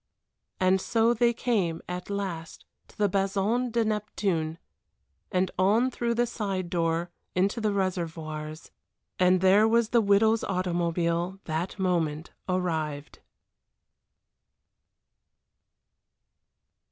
And so they came at last to the Bason de Neptune, and on through the side door into the Réservoirs and there was the widow's automobile that moment arrived.